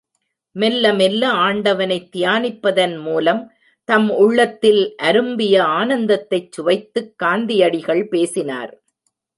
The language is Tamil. மெல்ல மெல்ல ஆண்டவனைத் தியானிப்பதன் மூலம் தம் உள்ளத்தில் அரும்பிய ஆனந்தத்தைச் சுவைத்துக் காந்தியடிகள் பேசினார்.